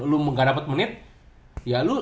lu gak dapat menit ya lu